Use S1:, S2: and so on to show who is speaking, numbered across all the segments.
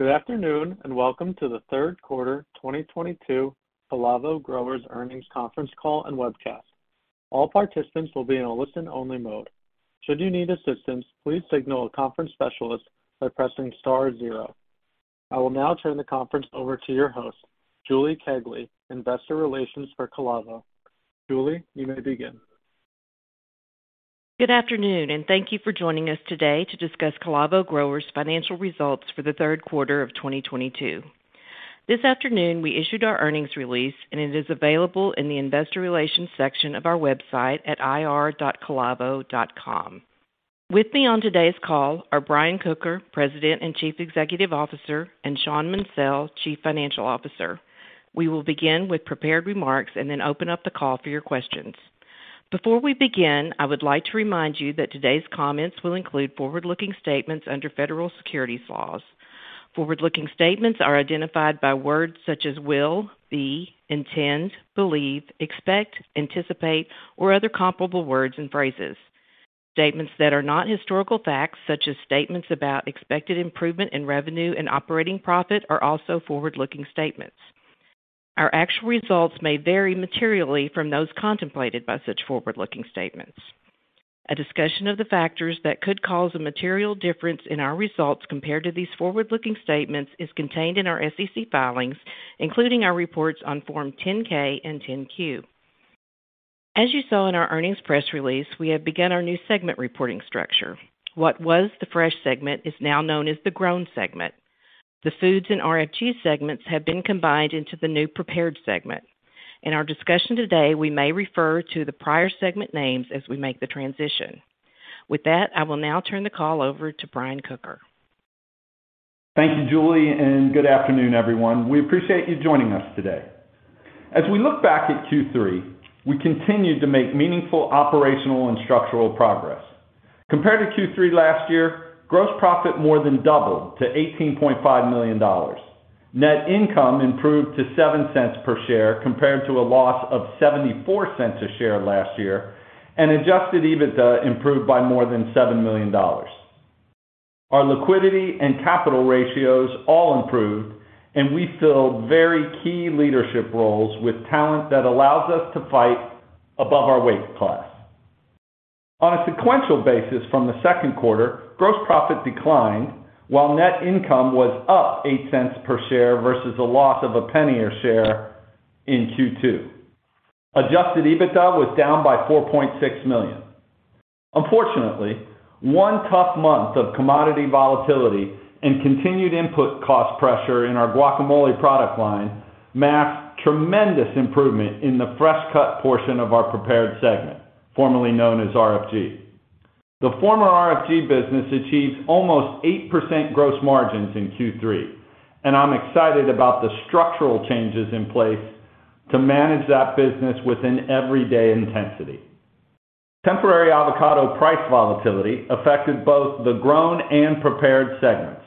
S1: Good afternoon, and welcome to the third quarter 2022 Calavo Growers earnings conference call and webcast. All participants will be in a listen only mode. Should you need assistance, please signal a conference specialist by pressing star zero. I will now turn the conference over to your host, Julie Kegley, Investor Relations for Calavo. Julie, you may begin.
S2: Good afternoon, and thank you for joining us today to discuss Calavo Growers financial results for the third quarter of 2022. This afternoon, we issued our earnings release, and it is available in the investor relations section of our website at ir.calavo.com. With me on today's call are Brian Kocher, President and Chief Executive Officer, and Shawn Munsell, Chief Financial Officer. We will begin with prepared remarks and then open up the call for your questions. Before we begin, I would like to remind you that today's comments will include forward-looking statements under federal securities laws. Forward-looking statements are identified by words such as will, be, intend, believe, expect, anticipate, or other comparable words and phrases. Statements that are not historical facts, such as statements about expected improvement in revenue and operating profit, are also forward-looking statements. Our actual results may vary materially from those contemplated by such forward-looking statements. A discussion of the factors that could cause a material difference in our results compared to these forward-looking statements is contained in our SEC filings, including our reports on Form 10-K and Form 10-Q. As you saw in our earnings press release, we have begun our new segment reporting structure. What was the fresh segment is now known as the Grown segment. The Foods and RFG segments have been combined into the new Prepared segment. In our discussion today, we may refer to the prior segment names as we make the transition. With that, I will now turn the call over to Brian Kocher.
S3: Thank you, Julie, and good afternoon, everyone. We appreciate you joining us today. As we look back at Q3, we continued to make meaningful operational and structural progress. Compared to Q3 last year, gross profit more than doubled to $18.5 million. Net income improved to $0.07 per share compared to a loss of $0.74 per share last year, and adjusted EBITDA improved by more than $7 million. Our liquidity and capital ratios all improved, and we filled very key leadership roles with talent that allows us to fight above our weight class. On a sequential basis from the second quarter, gross profit declined while net income was up $0.08 per share versus a loss of $0.01 per share in Q2. Adjusted EBITDA was down by $4.6 million. Unfortunately, one tough month of commodity volatility and continued input cost pressure in our guacamole product line masked tremendous improvement in the fresh-cut portion of our Prepared segment, formerly known as RFG. The former RFG business achieved almost 8% gross margins in Q3, and I'm excited about the structural changes in place to manage that business within everyday intensity. Temporary avocado price volatility affected both the Grown and Prepared segments.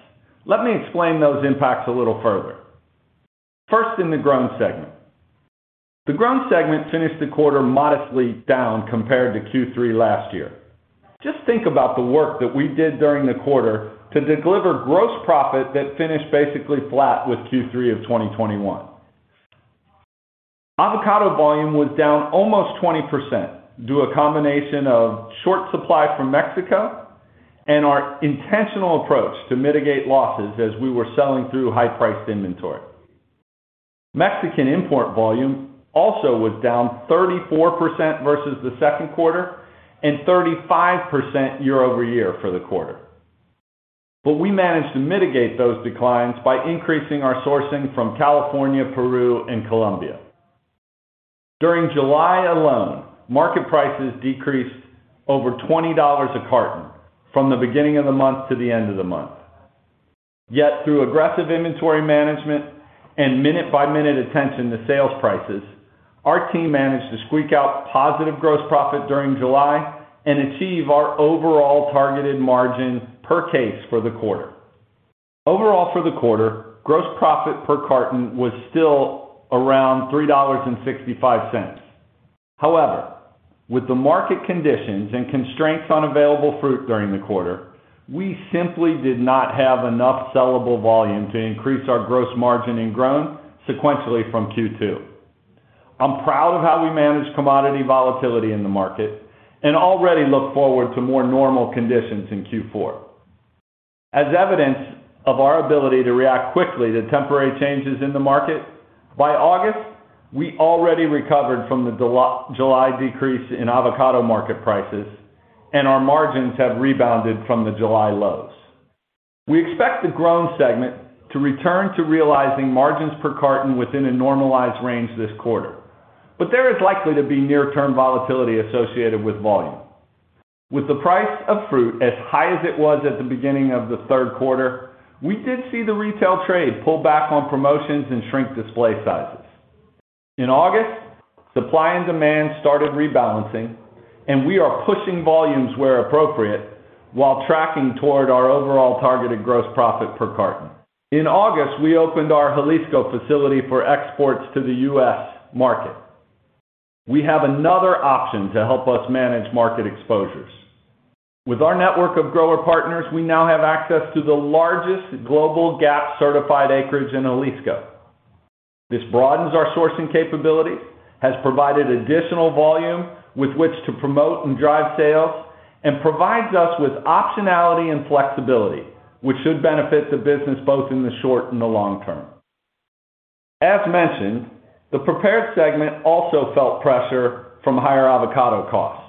S3: Let me explain those impacts a little further. First, in the Grown segment. The Grown segment finished the quarter modestly down compared to Q3 last year. Just think about the work that we did during the quarter to deliver gross profit that finished basically flat with Q3 of 2021. Avocado volume was down almost 20% due to a combination of short supply from Mexico and our intentional approach to mitigate losses as we were selling through high-priced inventory. Mexican import volume also was down 34% versus the second quarter and 35% year-over-year for the quarter. We managed to mitigate those declines by increasing our sourcing from California, Peru, and Colombia. During July alone, market prices decreased over $20 a carton from the beginning of the month to the end of the month. Yet through aggressive inventory management and minute-by-minute attention to sales prices, our team managed to squeak out positive gross profit during July and achieve our overall targeted margin per case for the quarter. Overall, for the quarter, gross profit per carton was still around $3.65. However, with the market conditions and constraints on available fruit during the quarter, we simply did not have enough sellable volume to increase our gross margin in Grown sequentially from Q2. I'm proud of how we managed commodity volatility in the market and already look forward to more normal conditions in Q4. As evidence of our ability to react quickly to temporary changes in the market, by August, we already recovered from the July decrease in avocado market prices, and our margins have rebounded from the July lows. We expect the Grown segment to return to realizing margins per carton within a normalized range this quarter, but there is likely to be near-term volatility associated with volume. With the price of fruit as high as it was at the beginning of the third quarter, we did see the retail trade pull back on promotions and shrink display sizes. In August, supply and demand started rebalancing, and we are pushing volumes where appropriate while tracking toward our overall targeted gross profit per carton. In August, we opened our Jalisco facility for exports to the U.S. market. We have another option to help us manage market exposures. With our network of grower partners, we now have access to the largest global GAP-certified acreage in Jalisco. This broadens our sourcing capability, has provided additional volume with which to promote and drive sales, and provides us with optionality and flexibility, which should benefit the business both in the short and the long term. As mentioned, the Prepared segment also felt pressure from higher avocado costs.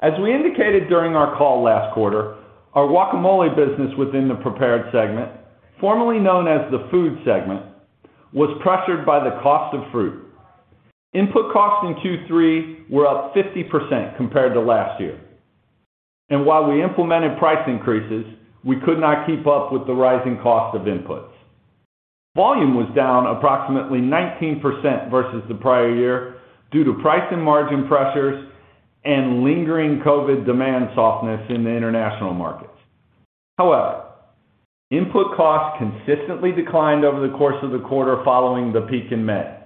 S3: As we indicated during our call last quarter, our guacamole business within the Prepared segment, formerly known as the Food segment, was pressured by the cost of fruit. Input costs in Q3 were up 50% compared to last year. While we implemented price increases, we could not keep up with the rising cost of inputs. Volume was down approximately 19% versus the prior year due to price and margin pressures and lingering COVID demand softness in the international markets. However, input costs consistently declined over the course of the quarter following the peak in May.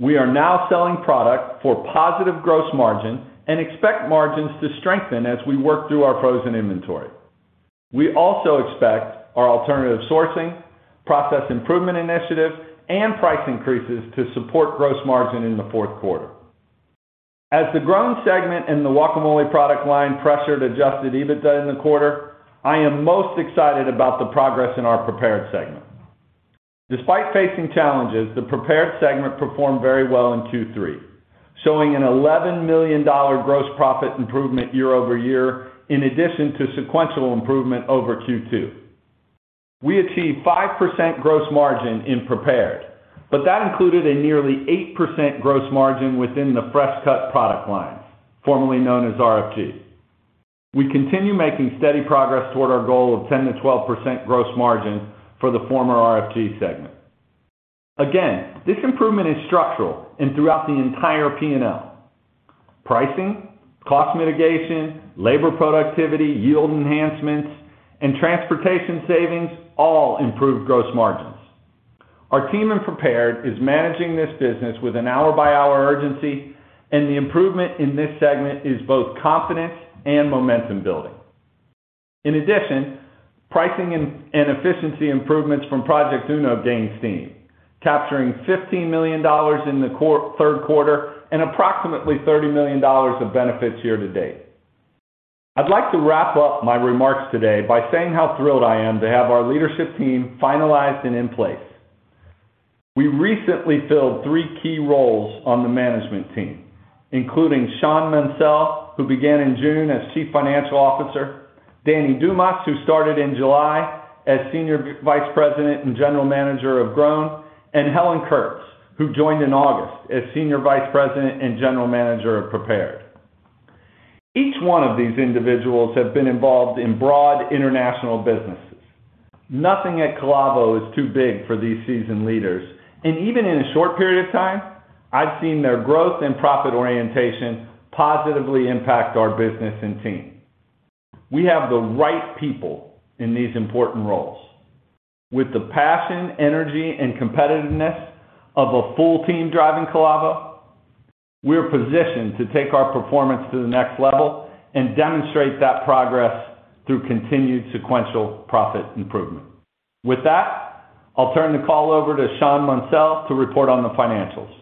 S3: We are now selling product for positive gross margin and expect margins to strengthen as we work through our frozen inventory. We also expect our alternative sourcing, process improvement initiatives, and price increases to support gross margin in the fourth quarter. As the Grown segment and the guacamole product line pressured adjusted EBITDA in the quarter, I am most excited about the progress in our Prepared segment. Despite facing challenges, the Prepared segment performed very well in Q3, showing a $11 million gross profit improvement year-over-year in addition to sequential improvement over Q2. We achieved 5% gross margin in Prepared, but that included a nearly 8% gross margin within the fresh cut product lines, formerly known as RFG. We continue making steady progress toward our goal of 10%-12% gross margin for the former RFG segment. Again, this improvement is structural and throughout the entire P&L. Pricing, cost mitigation, labor productivity, yield enhancements, and transportation savings all improved gross margins. Our team in Prepared is managing this business with an hour-by-hour urgency, and the improvement in this segment is both confident and momentum building. In addition, pricing and efficiency improvements from Project Uno gained steam, capturing $15 million in the third quarter and approximately $30 million of benefits year to date. I'd like to wrap up my remarks today by saying how thrilled I am to have our leadership team finalized and in place. We recently filled 3 key roles on the management team, including Shawn Munsell, who began in June as Chief Financial Officer, Danny Dumas, who started in July as Senior Vice President and General Manager of Grown, and Helen Kurtz, who joined in August as Senior Vice President and General Manager of Prepared. Each one of these individuals have been involved in broad international businesses. Nothing at Calavo is too big for these seasoned leaders, and even in a short period of time, I've seen their growth and profit orientation positively impact our business and team. We have the right people in these important roles. With the passion, energy, and competitiveness of a full team driving Calavo, we're positioned to take our performance to the next level and demonstrate that progress through continued sequential profit improvement. With that, I'll turn the call over to Shawn Munsell to report on the financials.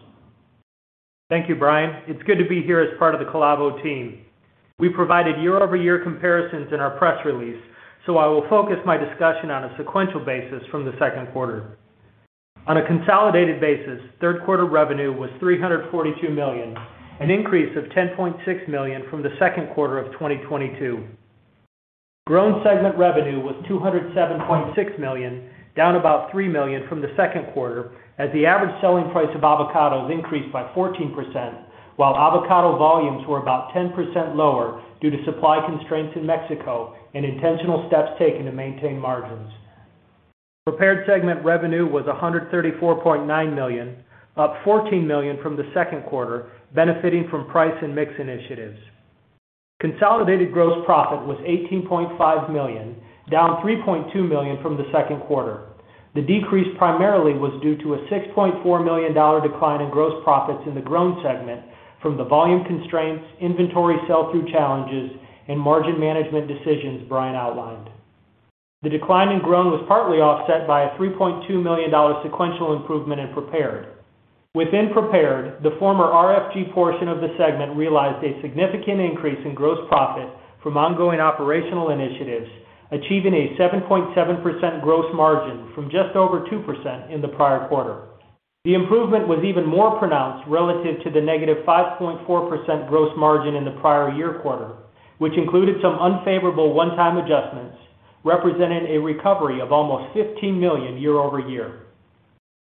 S4: Thank you, Brian. It's good to be here as part of the Calavo team. We provided year-over-year comparisons in our press release, so I will focus my discussion on a sequential basis from the second quarter. On a consolidated basis, third quarter revenue was $342 million, an increase of $10.6 million from the second quarter of 2022. Grown segment revenue was $207.6 million, down about $3 million from the second quarter, as the average selling price of avocados increased by 14%, while avocado volumes were about 10% lower due to supply constraints in Mexico and intentional steps taken to maintain margins. Prepared segment revenue was $134.9 million, up $14 million from the second quarter, benefiting from price and mix initiatives. Consolidated gross profit was $18.5 million, down $3.2 million from the second quarter. The decrease primarily was due to a $6.4 million decline in gross profits in the Grown segment from the volume constraints, inventory sell-through challenges, and margin management decisions Brian outlined. The decline in Grown was partly offset by a $3.2 million sequential improvement in Prepared. Within Prepared, the former RFG portion of the segment realized a significant increase in gross profit from ongoing operational initiatives, achieving a 7.7% gross margin from just over 2% in the prior quarter. The improvement was even more pronounced relative to the negative 5.4% gross margin in the prior year quarter, which included some unfavorable one-time adjustments, representing a recovery of almost $15 million year-over-year.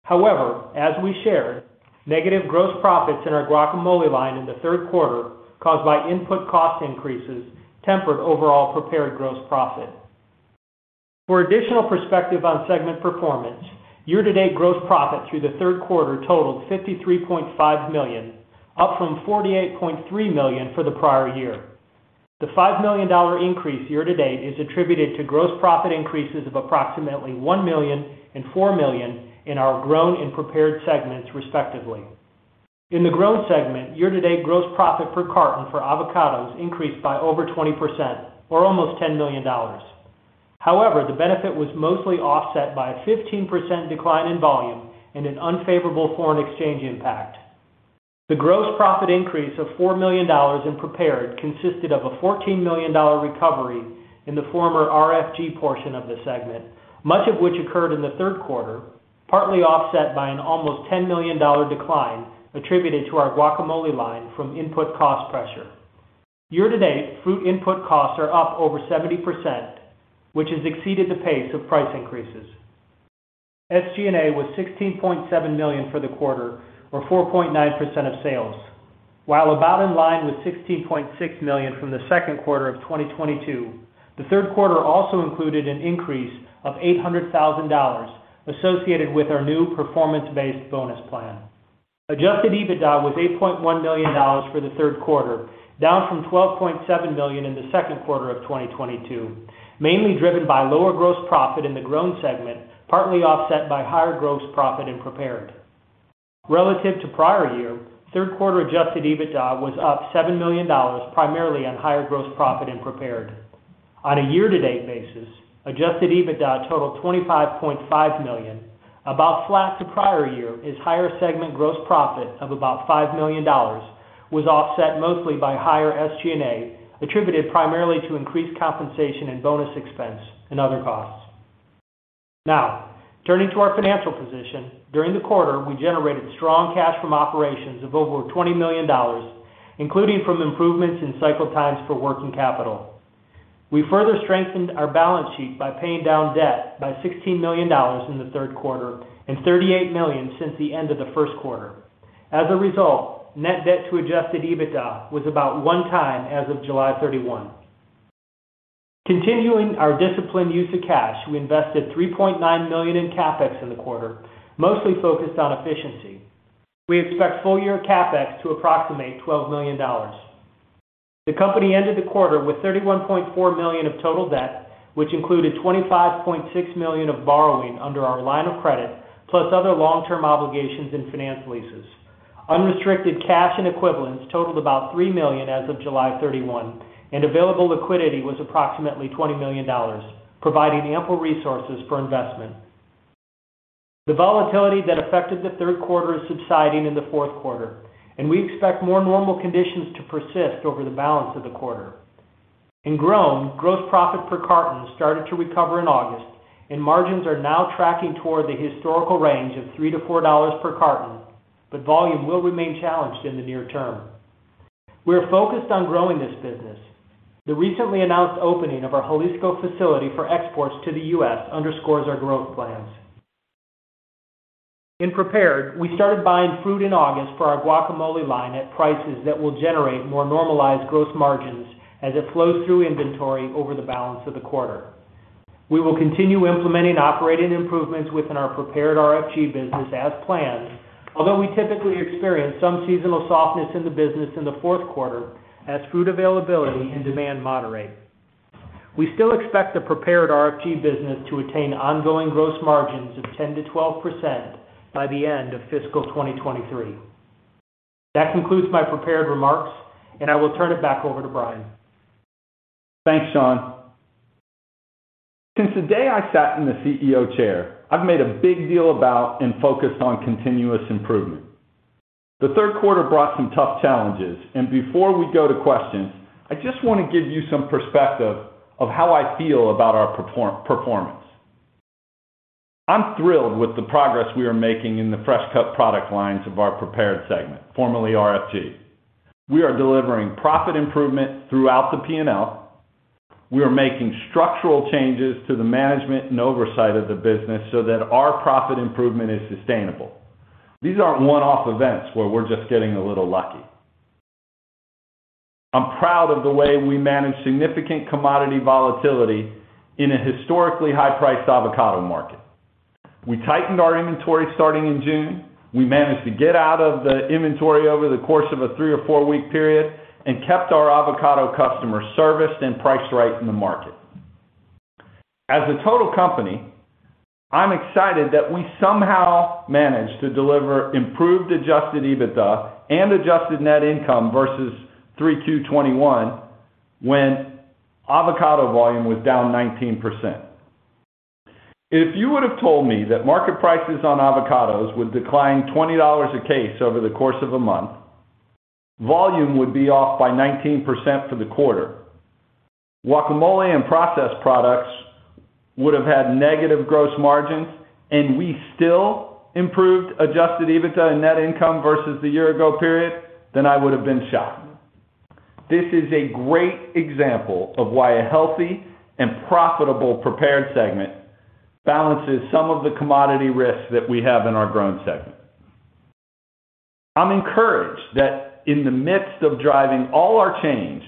S4: However, as we shared, negative gross profits in our guacamole line in the third quarter, caused by input cost increases, tempered overall Prepared gross profit. For additional perspective on segment performance, year-to-date gross profit through the third quarter totaled $53.5 million, up from $48.3 million for the prior year. The $5 million increase year-to-date is attributed to gross profit increases of approximately $1 million and $4 million in our Grown and Prepared segments, respectively. In the Grown segment, year-to-date gross profit per carton for avocados increased by over 20% or almost $10 million. However, the benefit was mostly offset by a 15% decline in volume and an unfavorable foreign exchange impact. The gross profit increase of $4 million in Prepared consisted of a $14 million recovery in the former RFG portion of the segment, much of which occurred in the third quarter, partly offset by an almost $10 million decline attributed to our guacamole line from input cost pressure. Year-to-date, fruit input costs are up over 70%, which has exceeded the pace of price increases. SG&A was $16.7 million for the quarter, or 4.9% of sales. While about in line with $16.6 million from the second quarter of 2022, the third quarter also included an increase of $800,000 associated with our new performance-based bonus plan. Adjusted EBITDA was $8.1 million for the third quarter, down from $12.7 million in the second quarter of 2022, mainly driven by lower gross profit in the Grown segment, partly offset by higher gross profit in Prepared. Relative to prior year, third quarter Adjusted EBITDA was up $7 million, primarily on higher gross profit in Prepared. On a year-to-date basis, Adjusted EBITDA totaled $25.5 million, about flat to prior year as higher segment gross profit of about $5 million was offset mostly by higher SG&A, attributed primarily to increased compensation and bonus expense and other costs. Now, turning to our financial position. During the quarter, we generated strong cash from operations of over $20 million, including from improvements in cycle times for working capital. We further strengthened our balance sheet by paying down debt by $16 million in the third quarter and $38 million since the end of the first quarter. As a result, net debt to adjusted EBITDA was about 1x as of July 31. Continuing our disciplined use of cash, we invested $3.9 million in CapEx in the quarter, mostly focused on efficiency. We expect full year CapEx to approximate $12 million. The company ended the quarter with $31.4 million of total debt, which included $25.6 million of borrowing under our line of credit, plus other long-term obligations and finance leases. Unrestricted cash and equivalents totaled about $3 million as of July 31, and available liquidity was approximately $20 million, providing ample resources for investment. The volatility that affected the third quarter is subsiding in the fourth quarter, and we expect more normal conditions to persist over the balance of the quarter. In Grown, gross profit per carton started to recover in August, and margins are now tracking toward the historical range of $3-$4 per carton, but volume will remain challenged in the near term. We are focused on growing this business. The recently announced opening of our Jalisco facility for exports to the U.S. underscores our growth plans. In Prepared, we started buying fruit in August for our guacamole line at prices that will generate more normalized gross margins as it flows through inventory over the balance of the quarter. We will continue implementing operating improvements within our Prepared RFG business as planned. Although we typically experience some seasonal softness in the business in the fourth quarter as fruit availability and demand moderate, we still expect the prepared RFG business to attain ongoing gross margins of 10%-12% by the end of fiscal 2023. That concludes my prepared remarks, and I will turn it back over to Brian.
S3: Thanks, Shawn. Since the day I sat in the CEO chair, I've made a big deal about and focused on continuous improvement. The third quarter brought some tough challenges, and before we go to questions, I just wanna give you some perspective of how I feel about our performance. I'm thrilled with the progress we are making in the fresh cut product lines of our Prepared segment, formerly RFG. We are delivering profit improvement throughout the P&L. We are making structural changes to the management and oversight of the business so that our profit improvement is sustainable. These aren't one-off events where we're just getting a little lucky. I'm proud of the way we manage significant commodity volatility in a historically high price avocado market. We tightened our inventory starting in June. We managed to get out of the inventory over the course of a 3- or 4-week period and kept our avocado customers serviced and priced right in the market. As a total company, I'm excited that we somehow managed to deliver improved adjusted EBITDA and adjusted net income versus 3Q2021 when avocado volume was down 19%. If you would have told me that market prices on avocados would decline $20 a case over the course of a month, volume would be off by 19% for the quarter, guacamole and processed products would have had negative gross margins, and we still improved adjusted EBITDA and net income versus the year ago period, then I would have been shocked. This is a great example of why a healthy and profitable Prepared segment balances some of the commodity risks that we have in our Grown segment. I'm encouraged that in the midst of driving all our change,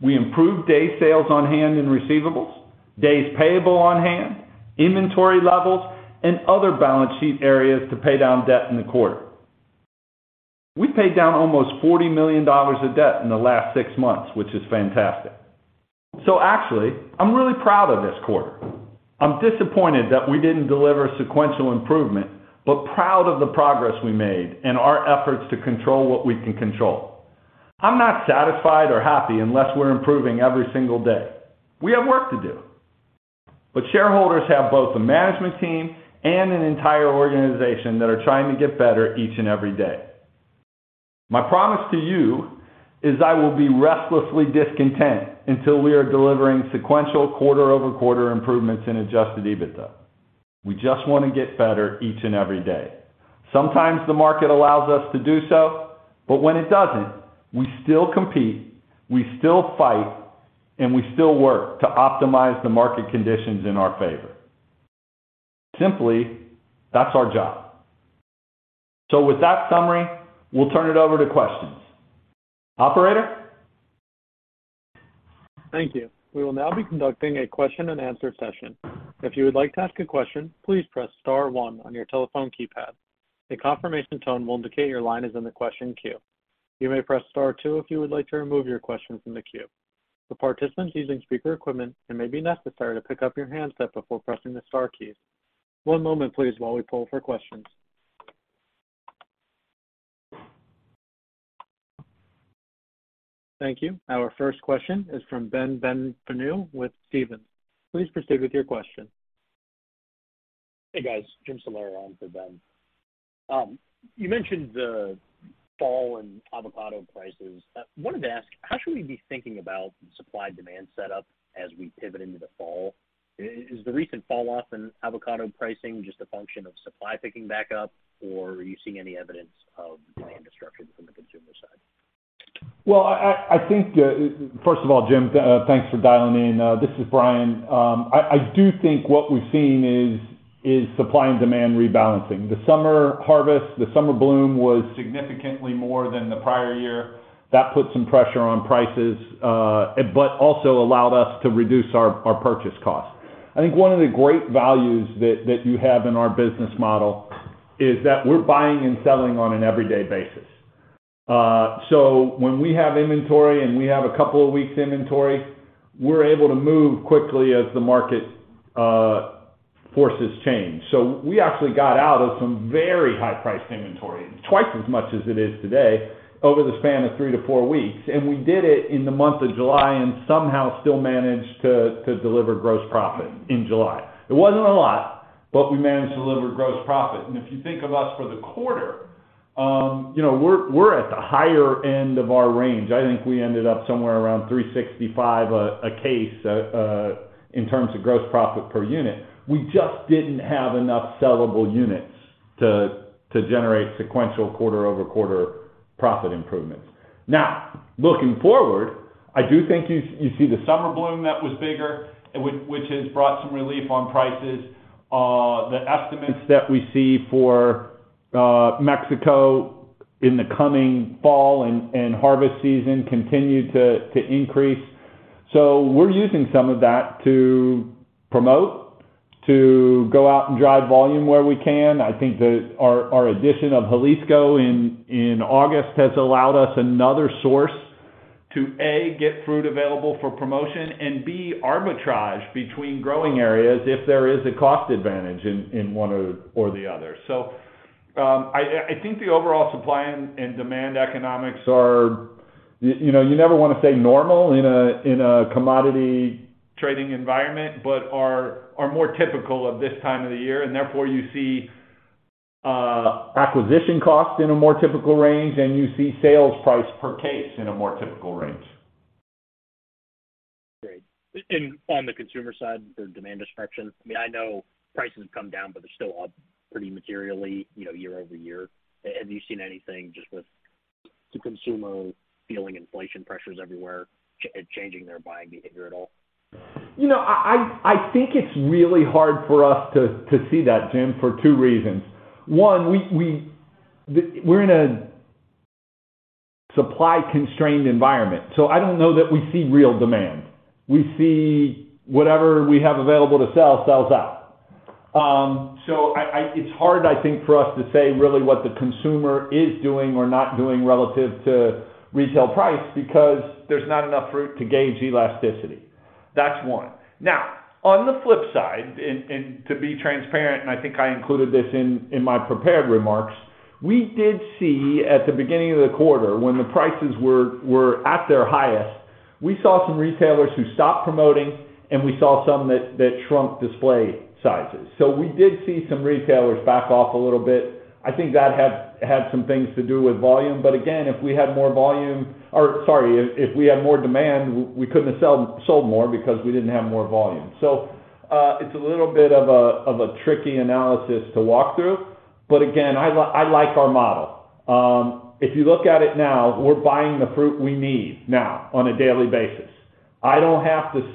S3: we improved day sales on hand and receivables, days payable on hand, inventory levels, and other balance sheet areas to pay down debt in the quarter. We paid down almost $40 million of debt in the last 6 months, which is fantastic. Actually, I'm really proud of this quarter. I'm disappointed that we didn't deliver sequential improvement, but proud of the progress we made and our efforts to control what we can control. I'm not satisfied or happy unless we're improving every single day. We have work to do, but shareholders have both a management team and an entire organization that are trying to get better each and every day. My promise to you is I will be restlessly discontent until we are delivering sequential quarter-over-quarter improvements in adjusted EBITDA. We just want to get better each and every day. Sometimes the market allows us to do so, but when it doesn't, we still compete, we still fight, and we still work to optimize the market conditions in our favor. Simply, that's our job. With that summary, we'll turn it over to questions. Operator?
S1: Thank you. We will now be conducting a question and answer session. If you would like to ask a question, please press star one on your telephone keypad. A confirmation tone will indicate your line is in the question queue. You may press star two if you would like to remove your question from the queue. For participants using speaker equipment, it may be necessary to pick up your handset before pressing the star keys. One moment, please, while we pull for questions. Thank you. Our first question is from Ben Bienvenu with Stephens. Please proceed with your question.
S5: Hey, guys. Jim Salera on for Ben. You mentioned the fall in avocado prices. I wanted to ask, how should we be thinking about the supply demand setup as we pivot into the fall? Is the recent falloff in avocado pricing just a function of supply picking back up, or are you seeing any evidence of demand destruction from the consumer side?
S3: Well, I think, first of all, Jim, thanks for dialing in. This is Brian. I do think what we've seen is supply and demand rebalancing. The summer harvest, the summer bloom was significantly more than the prior year. That put some pressure on prices, but also allowed us to reduce our purchase costs. I think one of the great values that you have in our business model is that we're buying and selling on an every day basis. When we have inventory and we have a couple of weeks inventory, we're able to move quickly as the market forces change. We actually got out of some very high-priced inventory, twice as much as it is today, over the span of three to four weeks. We did it in the month of July and somehow still managed to deliver gross profit in July. It wasn't a lot, but we managed to deliver gross profit. If you think of us for the quarter, you know, we're at the higher end of our range. I think we ended up somewhere around 365 a case in terms of gross profit per unit. We just didn't have enough sellable units to generate sequential quarter-over-quarter profit improvements. Now, looking forward, I do think you see the summer bloom that was bigger, and which has brought some relief on prices. The estimates that we see for Mexico in the coming fall and harvest season continue to increase. We're using some of that to promote, to go out and drive volume where we can. I think that our addition of Jalisco in August has allowed us another source to A, get fruit available for promotion, and B, arbitrage between growing areas if there is a cost advantage in one or the other. I think the overall supply and demand economics are, you know, you never want to say normal in a commodity trading environment, but are more typical of this time of the year, and therefore you see acquisition costs in a more typical range, and you see sales price per case in a more typical range.
S5: Great. On the consumer side, the demand destruction, I mean, I know prices have come down, but they're still up pretty materially, you know, year over year. Have you seen anything just with the consumer feeling inflation pressures everywhere changing their buying behavior at all?
S3: You know, I think it's really hard for us to see that, Jim, for two reasons. One, we're in a supply-constrained environment, so I don't know that we see real demand. We see whatever we have available to sell, sells out. It's hard, I think, for us to say really what the consumer is doing or not doing relative to retail price because there's not enough fruit to gauge elasticity. That's one. Now, on the flip side, to be transparent, I think I included this in my prepared remarks. We did see at the beginning of the quarter, when the prices were at their highest, we saw some retailers who stopped promoting, and we saw some that shrunk display sizes. We did see some retailers back off a little bit. I think that had some things to do with volume. Again, if we had more demand, we couldn't have sold more because we didn't have more volume. It's a little bit of a tricky analysis to walk through. Again, I like our model. If you look at it now, we're buying the fruit we need now on a daily basis. I don't have to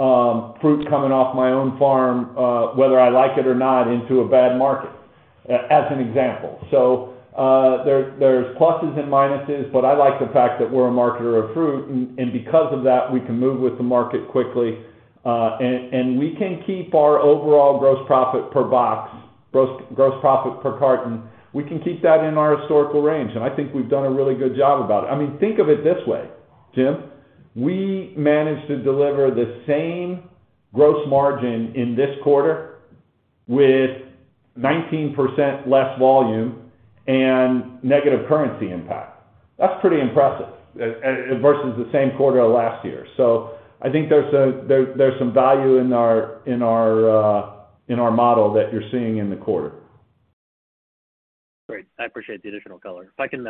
S3: sell fruit coming off my own farm, whether I like it or not, into a bad market, as an example. There's pluses and minuses, but I like the fact that we're a marketer of fruit and because of that, we can move with the market quickly and we can keep our overall gross profit per box, gross profit per carton, we can keep that in our historical range, and I think we've done a really good job about it. I mean, think of it this way, Jim. We managed to deliver the same gross margin in this quarter with 19% less volume and negative currency impact. That's pretty impressive versus the same quarter last year. I think there's some value in our model that you're seeing in the quarter.
S5: Great. I appreciate the additional color. If I can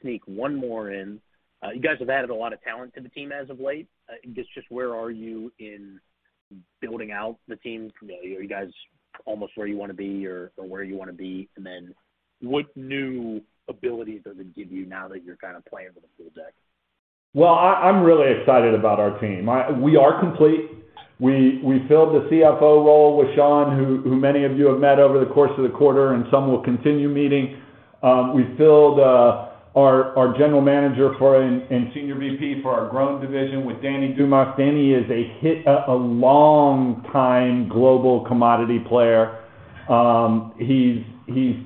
S5: sneak one more in? You guys have added a lot of talent to the team as of late. Just where are you in building out the team? You know, are you guys almost where you wanna be or where you wanna be? Then what new abilities does it give you now that you're kind of playing with a full deck?
S3: Well, I'm really excited about our team. We are complete. We filled the CFO role with Shawn Munsell, who many of you have met over the course of the quarter, and some will continue meeting. We filled our general manager and senior VP for our Grown division with Danny Dumas. Danny is a longtime global commodity player. He's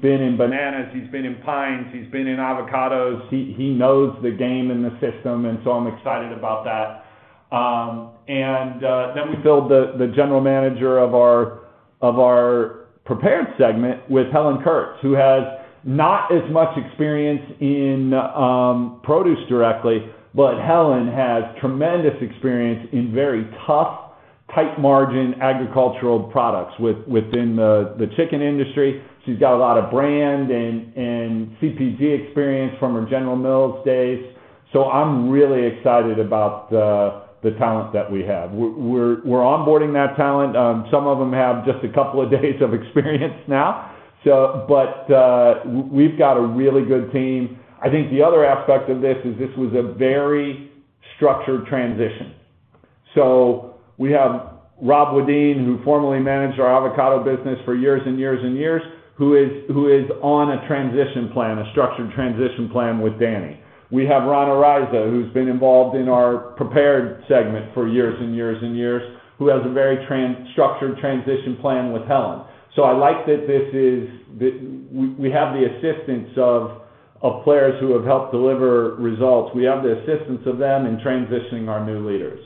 S3: been in bananas, he's been in pineapples, he's been in avocados. He knows the game and the system, and I'm excited about that. We filled the general manager of our Prepared segment with Helen Kurtz, who has not as much experience in produce directly, but Helen has tremendous experience in very tough, tight margin agricultural products within the chicken industry. She's got a lot of brand and CPG experience from her General Mills days. I'm really excited about the talent that we have. We're onboarding that talent. Some of them have just a couple of days of experience now. We've got a really good team. I think the other aspect of this is this was a very structured transition. We have Rob Wedin, who formerly managed our avocado business for years and years and years, who is on a transition plan, a structured transition plan with Danny. We have Ron Araiza, who's been involved in our Prepared segment for years and years and years, who has a very structured transition plan with Helen. I like that we have the assistance of players who have helped deliver results. We have the assistance of them in transitioning our new leaders.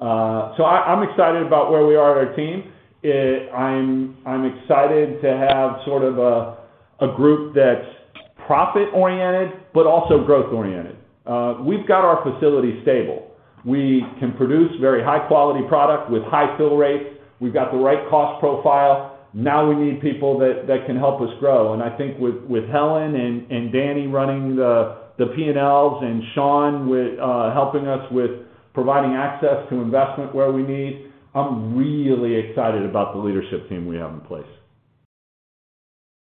S3: I'm excited about where we are at our team. I'm excited to have sort of a group that's profit oriented, but also growth oriented. We've got our facilities stable. We can produce very high quality product with high fill rates. We've got the right cost profile. Now we need people that can help us grow. I think with Helen and Danny running the P&Ls, and Sean with helping us with providing access to investment where we need, I'm really excited about the leadership team we have in place.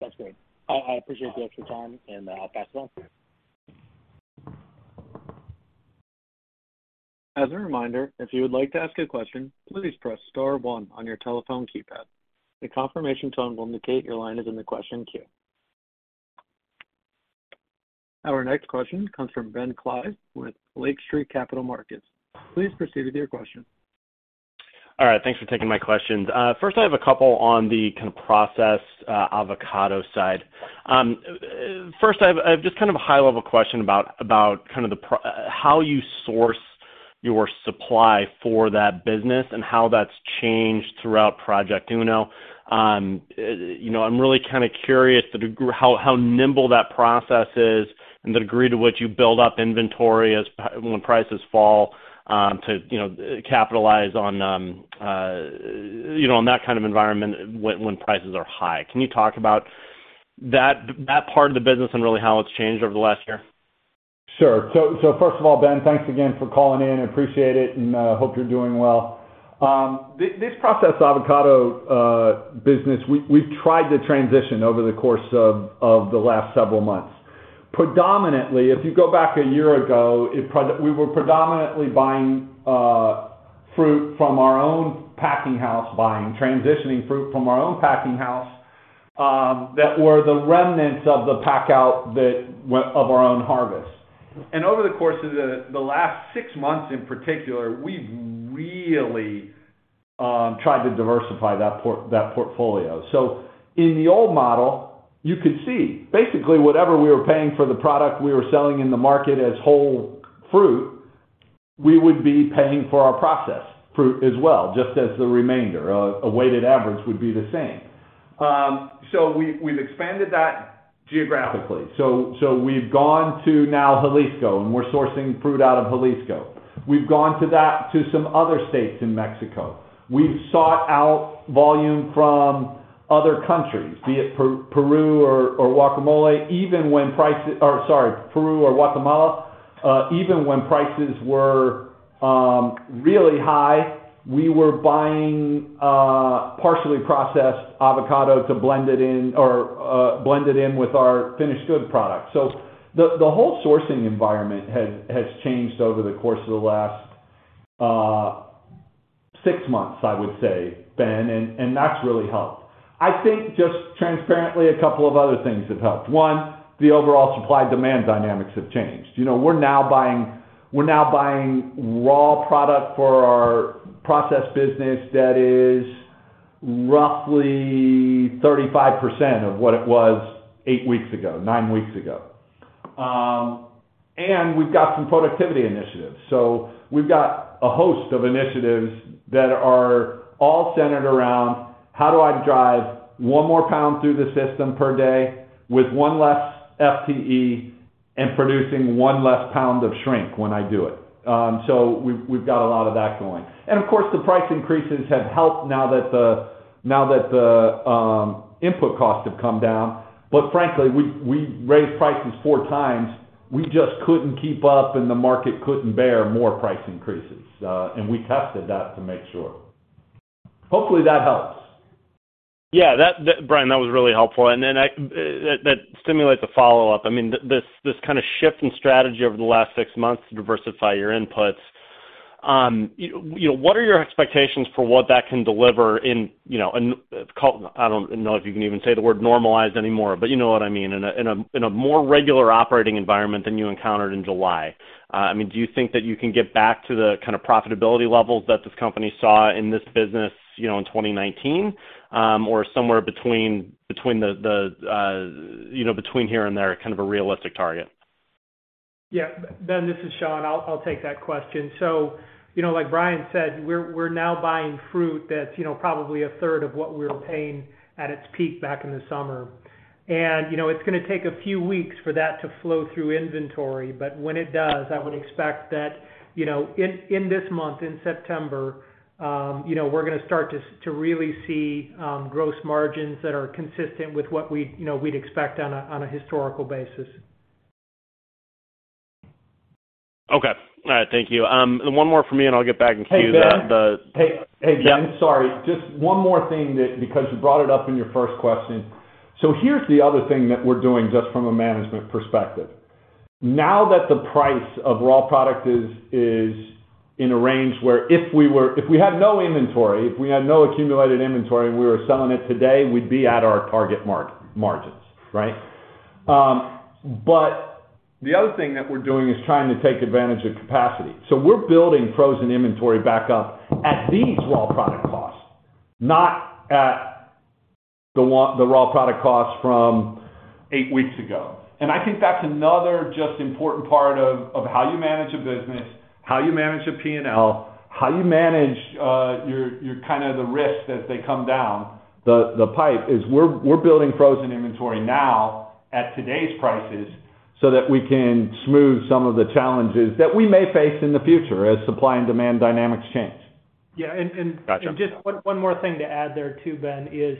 S5: That's great. I appreciate the extra time, and I'll pass it on.
S1: As a reminder, if you would like to ask a question, please press star one on your telephone keypad. The confirmation tone will indicate your line is in the question queue. Our next question comes from Ben Klieve with Lake Street Capital Markets. Please proceed with your question.
S6: All right. Thanks for taking my questions. First I have a couple on the kind of process, avocado side. First I have just kind of a high level question about kind of how you source your supply for that business and how that's changed throughout Project Uno. You know, I'm really kind of curious the degree how nimble that process is and the degree to which you build up inventory when prices fall to you know capitalize on you know on that kind of environment when prices are high. Can you talk about that part of the business and really how it's changed over the last year?
S3: Sure. So first of all, Ben, thanks again for calling in. Appreciate it, and hope you're doing well. This processed avocado business, we've tried to transition over the course of the last several months. Predominantly, if you go back a year ago, we were predominantly buying fruit from our own packing house, transitioning fruit from our own packing house, that were the remnants of the pack out of our own harvest. Over the course of the last six months in particular, we've really tried to diversify that portfolio. In the old model, you could see basically whatever we were paying for the product we were selling in the market as whole fruit, we would be paying for our processed fruit as well, just as the remainder. A weighted average would be the same. We've expanded that geographically. We've gone to Jalisco now, and we're sourcing fruit out of Jalisco. We've gone to that, to some other states in Mexico. We've sought out volume from other countries, be it Peru or Guatemala, even when prices were really high, we were buying partially processed avocado to blend it in with our finished goods product. The whole sourcing environment has changed over the course of the last six months, I would say, Ben, and that's really helped. I think just transparently, a couple of other things have helped. One, the overall supply-demand dynamics have changed. You know, we're now buying raw product for our Prepared business that is roughly 35% of what it was eight weeks ago, nine weeks ago. We've got some productivity initiatives. We've got a host of initiatives that are all centered around how do I drive one more pound through the system per day with one less FTE and producing one less pound of shrink when I do it. We've got a lot of that going. Of course, the price increases have helped now that the input costs have come down. Frankly, we raised prices four times. We just couldn't keep up, and the market couldn't bear more price increases, and we tested that to make sure. Hopefully, that helps.
S6: Yeah, that, Brian, that was really helpful. That stimulates a follow-up. I mean, this kind of shift in strategy over the last six months to diversify your inputs, you know, what are your expectations for what that can deliver in, you know, I don't know if you can even say the word normalize anymore, but you know what I mean, in a more regular operating environment than you encountered in July. I mean, do you think that you can get back to the kind of profitability levels that this company saw in this business, you know, in 2019? Or somewhere between the, you know, between here and there, kind of a realistic target.
S4: Yeah. Ben, this is Shawn. I'll take that question. You know, like Brian said, we're now buying fruit that's, you know, probably a third of what we were paying at its peak back in the summer. You know, it's gonna take a few weeks for that to flow through inventory. When it does, I would expect that, you know, in this month, in September, you know, we're gonna start to really see gross margins that are consistent with what we'd, you know, we'd expect on a historical basis.
S6: Okay. All right. Thank you. One more from me, and I'll get back in queue.
S3: Hey, Ben. Hey, Ben.
S6: Yeah.
S3: Sorry. Just one more thing that, because you brought it up in your first question. Here's the other thing that we're doing just from a management perspective. Now that the price of raw product is in a range where if we had no inventory, if we had no accumulated inventory, and we were selling it today, we'd be at our target margins, right? The other thing that we're doing is trying to take advantage of capacity. We're building frozen inventory back up at these raw product costs, not at the raw product costs from eight weeks ago. I think that's another just important part of how you manage a business, how you manage a P&L, how you manage your kind of the risk as they come down the pipe is we're building frozen inventory now at today's prices so that we can smooth some of the challenges that we may face in the future as supply and demand dynamics change.
S4: Yeah.
S6: Gotcha.
S4: Just one more thing to add there too, Ben, is,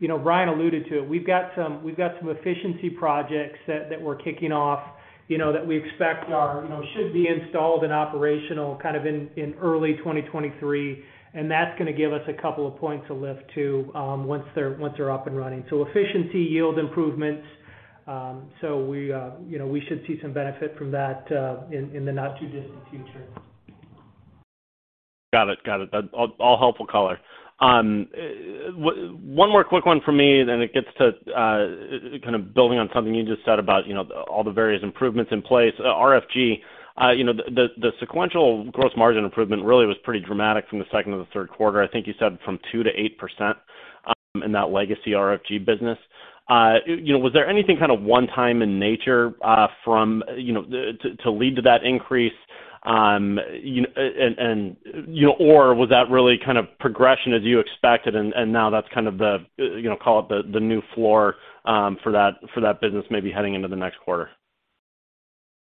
S4: you know, Brian alluded to it. We've got some efficiency projects that we're kicking off, you know, that we expect are, you know, should be installed and operational kind of in early 2023. That's gonna give us a couple of points of lift too, once they're up and running. Efficiency yield improvements, so we, you know, we should see some benefit from that, in the not too distant future.
S6: Got it. That's all helpful color. One more quick one for me, then it gets to kind of building on something you just said about, you know, all the various improvements in place. RFG, you know, the sequential gross margin improvement really was pretty dramatic from the second to the third quarter. I think you said from 2%-8% in that legacy RFG business. You know, was there anything kind of one-time in nature from, you know, to lead to that increase? You know, and, you know, or was that really kind of progression as you expected and now that's kind of the, you know, call it the new floor for that business maybe heading into the next quarter?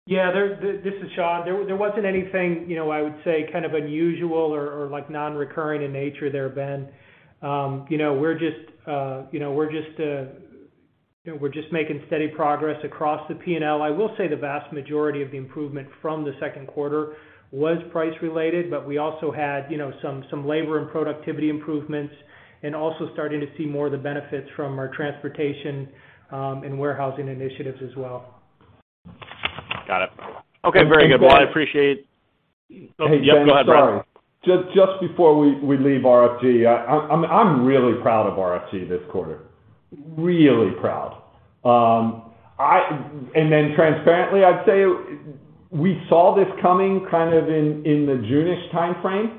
S4: Yeah. This is Shawn. There wasn't anything, you know, I would say kind of unusual or like non-recurring in nature there, Ben. You know, we're just making steady progress across the P&L. I will say the vast majority of the improvement from the second quarter was price related, but we also had, you know, some labor and productivity improvements, and also starting to see more of the benefits from our transportation and warehousing initiatives as well.
S6: Got it. Okay. Very good.
S3: And Ben.
S6: Well, I appreciate.
S3: Hey, Ben.
S6: Yep, go ahead, Brian.
S3: Sorry. Just before we leave RFG, I'm really proud of RFG this quarter. Really proud. Then transparently, I'd say we saw this coming kind of in the June-ish timeframe,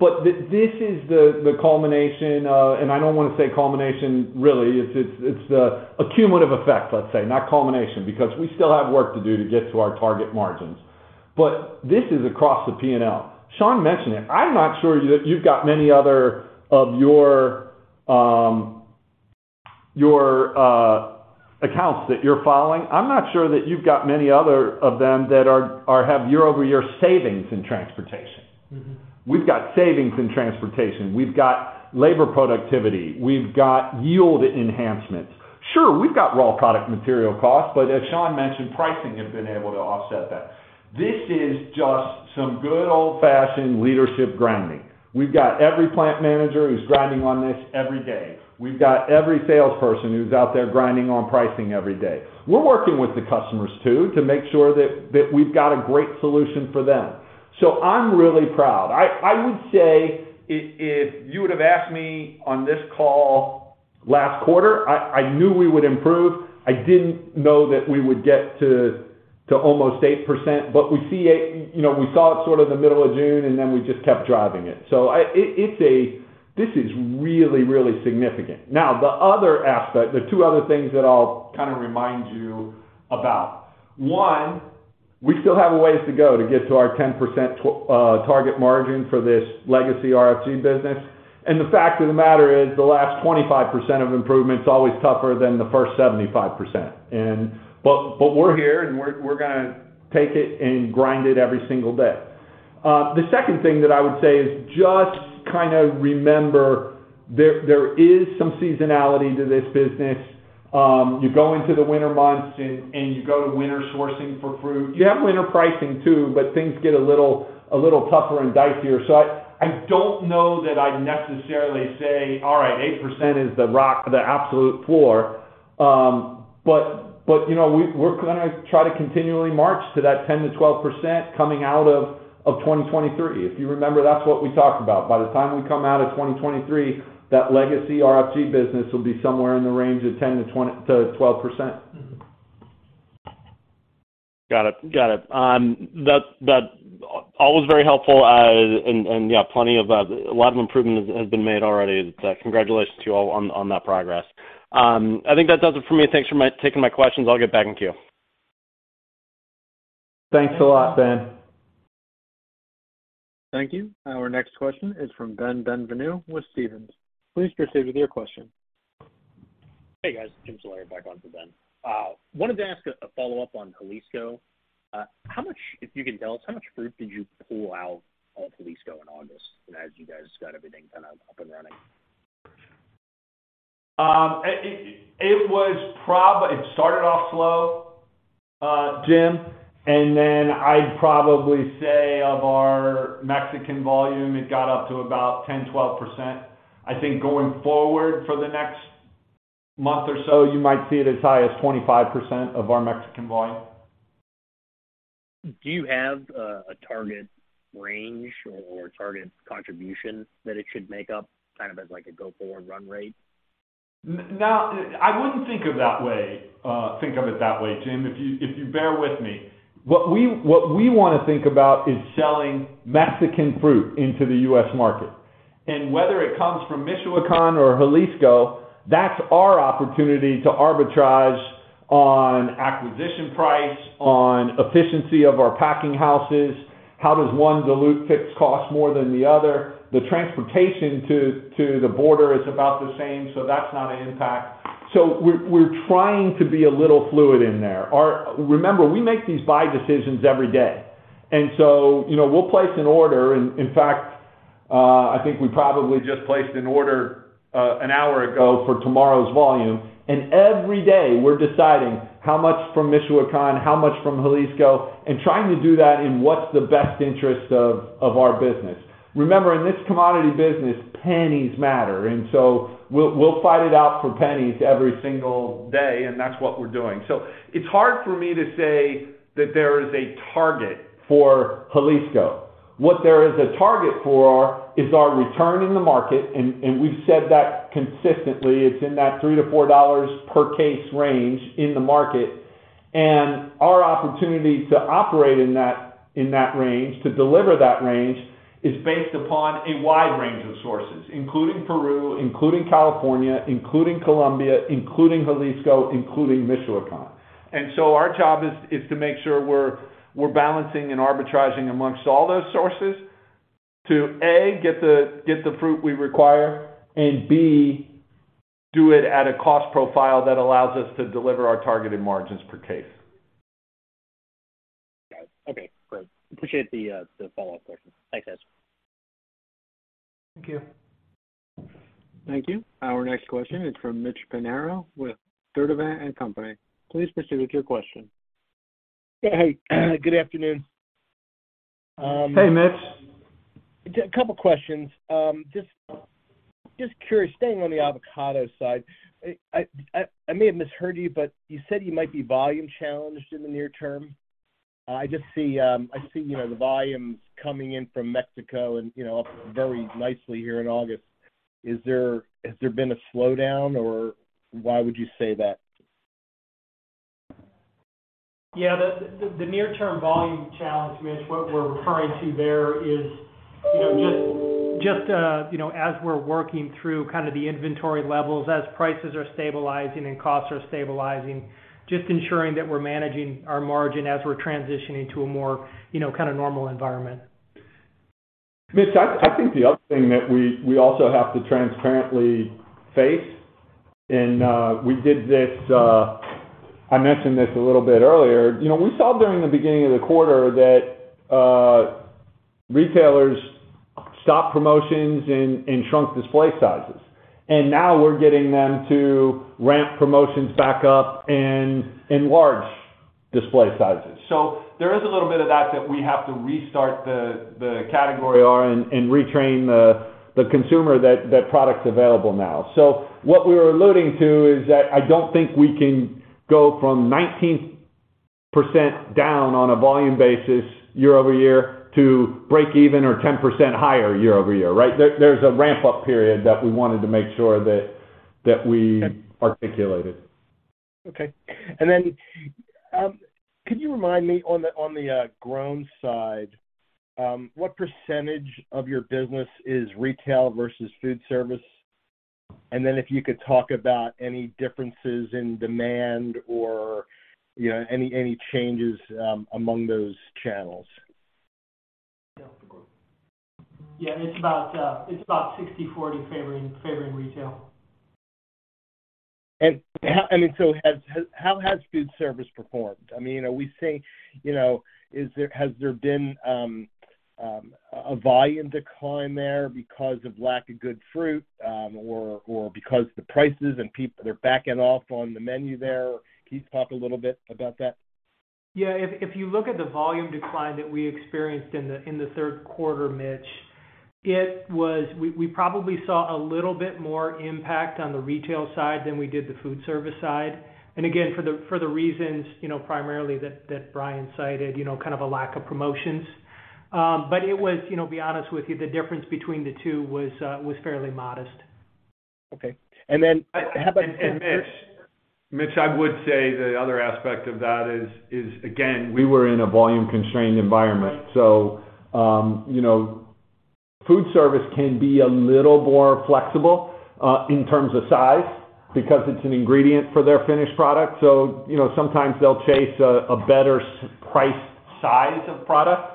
S3: but this is the culmination of. I don't wanna say culmination really. It's the accumulative effect, let's say, not culmination. Because we still have work to do to get to our target margins. But this is across the P&L. Shawn mentioned it. I'm not sure you've got many other of your accounts that you're following. I'm not sure that you've got many other of them that have year-over-year savings in transportation. We've got savings in transportation. We've got labor productivity. We've got yield enhancements. Sure, we've got raw product material costs, but as Shawn mentioned, pricing has been able to offset that. This is just some good old-fashioned leadership grinding. We've got every plant manager who's grinding on this every day. We've got every salesperson who's out there grinding on pricing every day. We're working with the customers too to make sure that we've got a great solution for them. So I'm really proud. I would say if you would have asked me on this call last quarter, I knew we would improve. I didn't know that we would get to almost 8%, but we saw it sort of in the middle of June, and then we just kept driving it. It's really, really significant. Now, the other aspect, the two other things that I'll kind of remind you about. One, we still have a ways to go to get to our 10% target margin for this legacy RFG business. The fact of the matter is, the last 25% of improvement's always tougher than the first 75%. But we're here, and we're gonna take it and grind it every single day. The second thing that I would say is just kind of remember there is some seasonality to this business. You go into the winter months and you go to winter sourcing for fruit. You have winter pricing too, but things get a little tougher and dicier. I don't know that I'd necessarily say, "All right, 8% is the rock, the absolute floor." But you know, we're gonna try to continually march to that 10%-12% coming out of 2023. If you remember, that's what we talked about. By the time we come out of 2023, that legacy RFG business will be somewhere in the range of 10%-12%.
S4: Got it. All was very helpful. Yeah, plenty of a lot of improvement has been made already. Congratulations to you all on that progress. I think that does it for me. Thanks for taking my questions. I'll get back in queue.
S3: Thanks a lot, Ben.
S1: Thank you. Our next question is from Ben Bienvenu with Stephens. Please proceed with your question.
S5: Hey, guys. Jim Salera back on for Ben. Wanted to ask a follow-up on Jalisco. How much, if you can tell us, how much fruit did you pull out of Jalisco in August as you guys got everything kind of up and running?
S3: It started off slow, Jim, and then I'd probably say of our Mexican volume, it got up to about 10-12%. I think going forward for the next month or so, you might see it as high as 25% of our Mexican volume.
S5: Do you have a target range or target contribution that it should make up kind of as like a go-forward run rate?
S3: I wouldn't think of it that way, Jim, if you bear with me. What we wanna think about is selling Mexican fruit into the U.S. market. Whether it comes from Michoacán or Jalisco, that's our opportunity to arbitrage on acquisition price, on efficiency of our packing houses. How does one dilute fixed cost more than the other? The transportation to the border is about the same, so that's not an impact. We're trying to be a little fluid in there. Remember, we make these buy decisions every day. You know, we'll place an order, and in fact, I think we probably just placed an order an hour ago for tomorrow's volume. Every day we're deciding how much from Michoacán, how much from Jalisco, and trying to do that in what's the best interest of our business. Remember, in this commodity business, pennies matter, and so we'll fight it out for pennies every single day, and that's what we're doing. It's hard for me to say that there is a target for Jalisco. What there is a target for is our return in the market, and we've said that consistently. It's in that $3-$4 per case range in the market. Our opportunity to operate in that range, to deliver that range, is based upon a wide range of sources, including Peru, including California, including Colombia, including Jalisco, including Michoacán. Our job is to make sure we're balancing and arbitraging amongst all those sources to, A, get the fruit we require, and B, do it at a cost profile that allows us to deliver our targeted margins per case.
S5: Got it. Okay, great. Appreciate the follow-up question. Thanks, guys.
S3: Thank you.
S1: Thank you. Our next question is from Mitch Pinheiro with Sturdivant & Co. Please proceed with your question.
S7: Hey. Good afternoon.
S3: Hey, Mitch.
S7: A couple questions. Just curious, staying on the avocado side. I may have misheard you, but you said you might be volume challenged in the near term. I just see, I see, you know, the volumes coming in from Mexico and, you know, up very nicely here in August. Has there been a slowdown or why would you say that?
S4: Yeah, the near term volume challenge, Mitch, what we're referring to there is, you know, just, you know, as we're working through kind of the inventory levels, as prices are stabilizing and costs are stabilizing, just ensuring that we're managing our margin as we're transitioning to a more, you know, kind of normal environment.
S3: Mitch, I think the other thing that we also have to transparently face, and we did this. I mentioned this a little bit earlier. You know, we saw during the beginning of the quarter that retailers stopped promotions and shrunk display sizes. Now we're getting them to ramp promotions back up and enlarge display sizes. There is a little bit of that that we have to restart the category and retrain the consumer that product's available now. What we were alluding to is that I don't think we can go from 19% down on a volume basis year-over-year to break even or 10% higher year-over-year, right? There's a ramp up period that we wanted to make sure that we articulated.
S7: Okay. Could you remind me on the Grown side what percentage of your business is retail versus food service? If you could talk about any differences in demand or, you know, any changes among those channels?
S4: Yeah. It's about 60/40 favoring retail.
S7: How has food service performed? I mean, are we seeing, you know, has there been a volume decline there because of lack of good fruit, or because the prices and people are backing off on the menu there? Can you talk a little bit about that?
S4: Yeah. If you look at the volume decline that we experienced in the third quarter, Mitch, we probably saw a little bit more impact on the retail side than we did the food service side. Again, for the reasons, you know, primarily that Brian cited, you know, kind of a lack of promotions. It was, you know, be honest with you, the difference between the two was fairly modest.
S7: Okay. How about.
S3: Mitch, I would say the other aspect of that is again, we were in a volume-constrained environment. You know, food service can be a little more flexible in terms of size because it's an ingredient for their finished product. You know, sometimes they'll chase a better price size of product.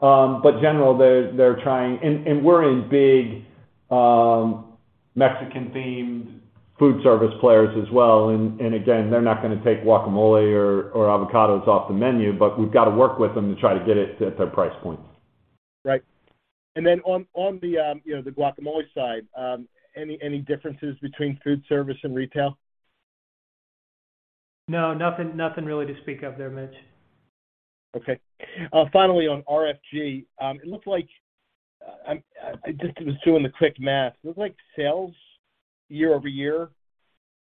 S3: But generally, they're trying. We're in big Mexican-themed food service players as well. Again, they're not gonna take guacamole or avocados off the menu, but we've got to work with them to try to get it to their price points.
S7: Right. On you know the guacamole side, any differences between food service and retail?
S4: No, nothing really to speak of there, Mitch.
S7: Okay. Finally on RFG, it looks like, just doing the quick math, it looks like sales year-over-year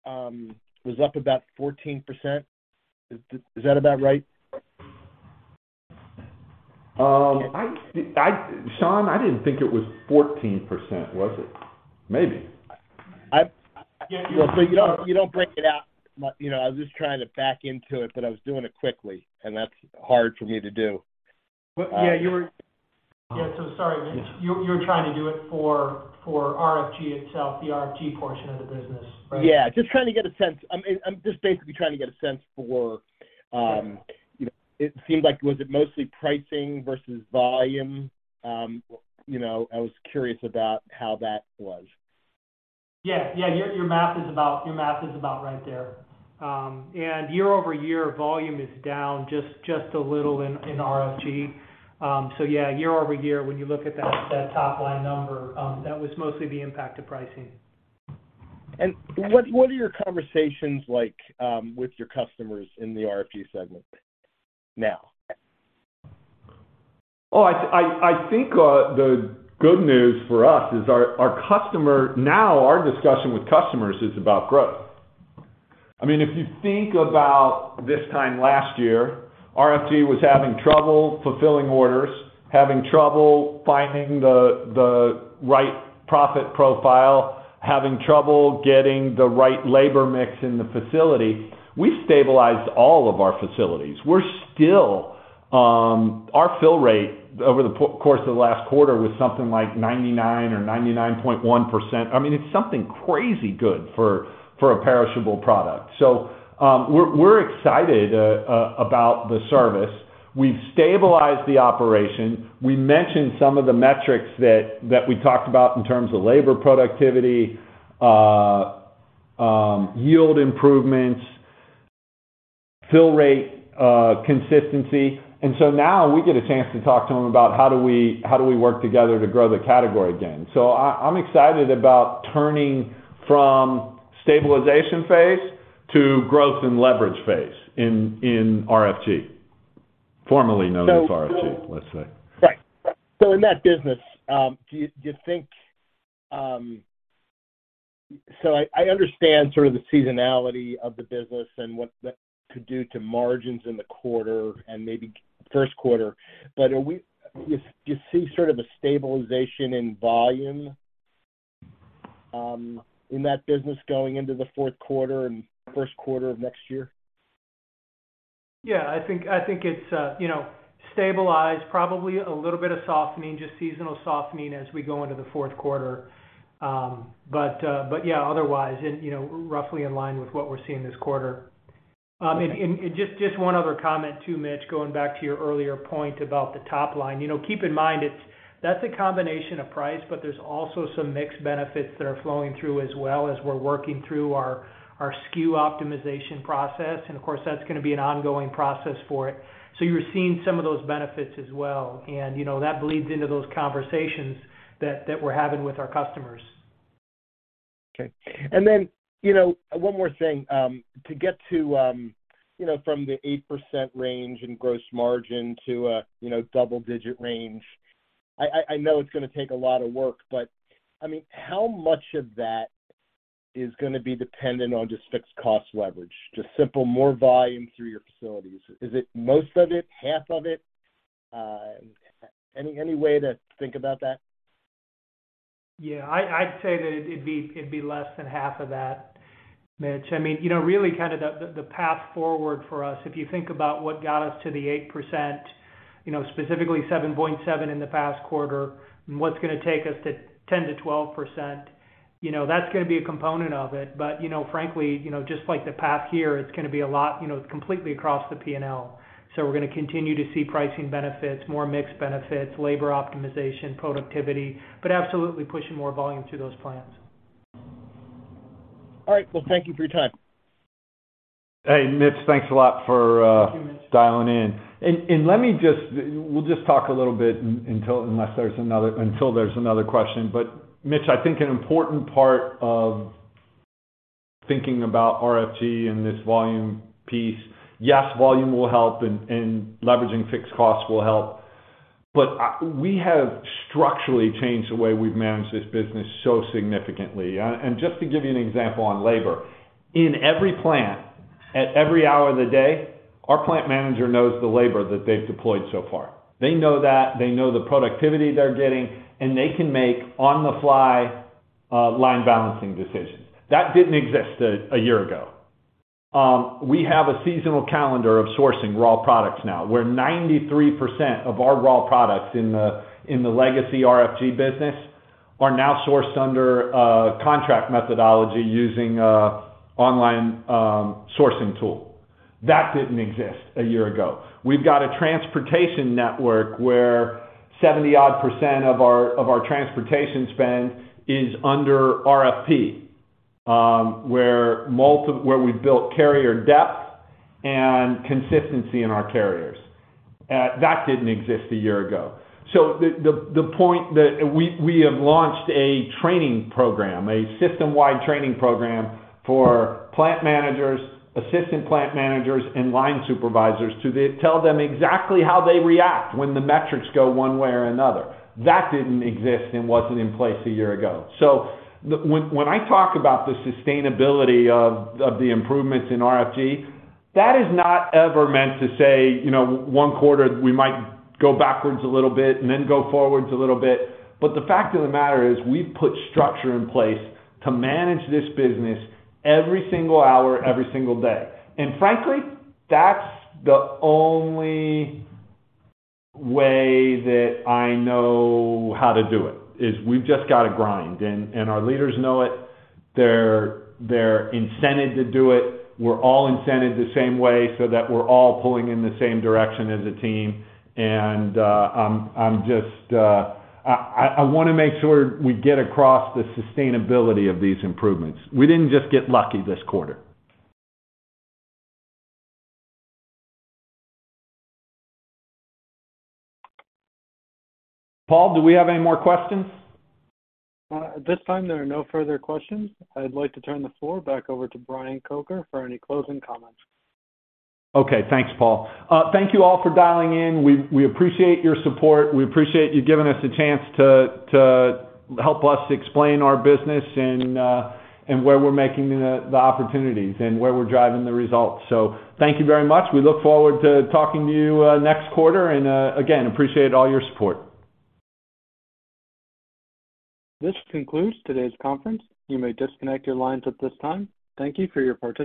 S7: was up about 14%. Is that about right?
S3: Shawn, I didn't think it was 14%, was it? Maybe.
S7: Well, you don't break it out. You know, I was just trying to back into it, but I was doing it quickly, and that's hard for me to do.
S4: Sorry, Mitch. You were trying to do it for RFG itself, the RFG portion of the business, right?
S7: Yeah. Just trying to get a sense. I'm just basically trying to get a sense for, you know, it seemed like was it mostly pricing versus volume? You know, I was curious about how that was.
S4: Yeah. Your math is about right there. Year over year, volume is down just a little in RFG. Yeah, year over year, when you look at that top line number, that was mostly the impact of pricing.
S7: What are your conversations like with your customers in the RFG segment now?
S3: I think the good news for us is our customers. Now our discussion with customers is about growth. I mean, if you think about this time last year, RFG was having trouble fulfilling orders, having trouble finding the right profit profile, having trouble getting the right labor mix in the facility. We've stabilized all of our facilities. We're still. Our fill rate over the course of the last quarter was something like 99 or 99.1%. I mean, it's something crazy good for a perishable product. We're excited about the service. We've stabilized the operation. We mentioned some of the metrics that we talked about in terms of labor productivity, yield improvements, fill rate, consistency. Now we get a chance to talk to them about how do we work together to grow the category again. I'm excited about turning from stabilization phase to growth and leverage phase in RFG, formerly known as RFG, let's say.
S7: Right. In that business, I understand sort of the seasonality of the business and what that could do to margins in the quarter and maybe first quarter. Do you see sort of a stabilization in volume in that business going into the fourth quarter and first quarter of next year?
S4: Yeah, I think it's, you know, stabilized, probably a little bit of softening, just seasonal softening as we go into the fourth quarter. Yeah, otherwise, you know, roughly in line with what we're seeing this quarter. Just one other comment too, Mitch, going back to your earlier point about the top line. You know, keep in mind it's, that's a combination of price, but there's also some mixed benefits that are flowing through as well as we're working through our SKU optimization process. Of course, that's gonna be an ongoing process for it. You're seeing some of those benefits as well. You know, that bleeds into those conversations that we're having with our customers.
S7: Okay. Then, you know, one more thing. To get to, you know, from the 8% range in gross margin to a, you know, double-digit range, I know it's gonna take a lot of work, but, I mean, how much of that is gonna be dependent on just fixed cost leverage, just simple more volume through your facilities. Is it most of it, half of it? Any way to think about that?
S4: Yeah, I'd say that it'd be less than half of that, Mitch. I mean, you know, really kind of the path forward for us, if you think about what got us to the 8%, you know, specifically 7.7% in the past quarter, and what's gonna take us to 10%-12%, you know, that's gonna be a component of it. You know, frankly, you know, just like the path here, it's gonna be a lot, you know, completely across the P&L. We're gonna continue to see pricing benefits, more mix benefits, labor optimization, productivity, but absolutely pushing more volume through those plans.
S7: All right. Well, thank you for your time.
S3: Hey, Mitch, thanks a lot for.
S4: Thank you, Mitch.
S3: Let me just. We'll just talk a little bit until there's another question. Mitch, I think an important part of thinking about RFG and this volume piece, yes, volume will help and leveraging fixed costs will help, but we have structurally changed the way we've managed this business so significantly. Just to give you an example on labor, in every plant at every hour of the day, our plant manager knows the labor that they've deployed so far. They know that, they know the productivity they're getting, and they can make on-the-fly line balancing decisions. That didn't exist a year ago. We have a seasonal calendar of sourcing raw products now, where 93% of our raw products in the legacy RFG business are now sourced under a contract methodology using an online sourcing tool. That didn't exist a year ago. We've got a transportation network where 70-odd% of our transportation spend is under RFP, where we've built carrier depth and consistency in our carriers. That didn't exist a year ago. The point that we have launched a training program, a system-wide training program for plant managers, assistant plant managers, and line supervisors to tell them exactly how they react when the metrics go one way or another. That didn't exist and wasn't in place a year ago. When I talk about the sustainability of the improvements in RFG, that is not ever meant to say, you know, one quarter we might go backwards a little bit and then go forwards a little bit. The fact of the matter is we've put structure in place to manage this business every single hour, every single day. Frankly, that's the only way that I know how to do it, is we've just gotta grind. Our leaders know it. They're incented to do it. We're all incented the same way so that we're all pulling in the same direction as a team. I wanna make sure we get across the sustainability of these improvements. We didn't just get lucky this quarter. Paul, do we have any more questions?
S1: At this time, there are no further questions. I'd like to turn the floor back over to Brian Kocher for any closing comments.
S3: Okay. Thanks, Paul. Thank you all for dialing in. We appreciate your support. We appreciate you giving us a chance to help us explain our business and and where we're making the opportunities and where we're driving the results. Thank you very much. We look forward to talking to you next quarter. Again, appreciate all your support.
S1: This concludes today's conference. You may disconnect your lines at this time. Thank you for your participation.